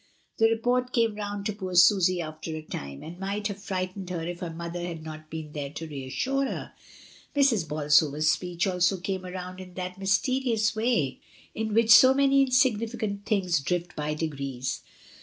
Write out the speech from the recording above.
The report came round to poor Susy after a time, and might have frightened her if her mother had not been there to reassiire her. Mrs. Bolsover's speech also came round in that mysterious way in which so many insignificant things drift by degrees.